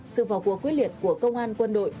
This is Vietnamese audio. sự vào cuộc quyết liệt của công an quân đội